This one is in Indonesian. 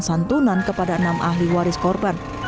santunan kepada enam ahli waris korban